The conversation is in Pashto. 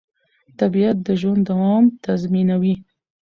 طبیعت د ژوند دوام تضمینوي